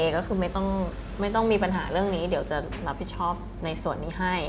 ก็คือไม่ต้องมีปัญหาเรื่องนี้เดี๋ยวจะรับผิดชอบในส่วนนี้ให้